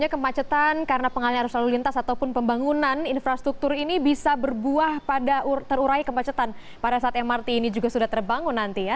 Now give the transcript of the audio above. kemacetan karena pengalian arus lalu lintas ataupun pembangunan infrastruktur ini bisa berbuah pada terurai kemacetan pada saat mrt ini juga sudah terbangun nanti ya